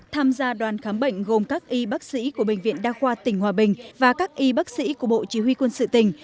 tham gia đoàn khám bệnh gồm các y bác sĩ của bệnh viện đa khoa tỉnh hòa bình và các y bác sĩ của bộ chỉ huy quân sự tỉnh